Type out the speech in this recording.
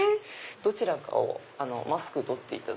どちらかをマスク取って。